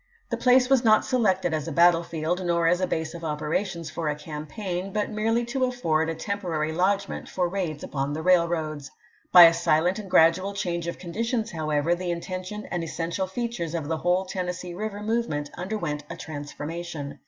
The place was not selected as a battlefield, nor as a base of operations for a cam paign, but merely to afford a temporary lodgment for raids upon the railroads. By a silent and grad ual change of conditions, however, the intention and essential features of the whole Tennessee River movement underwent a transformation.